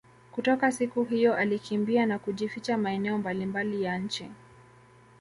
Kutoka siku hiyo alikimbia na kujificha maeneo mbali mbali ya nchi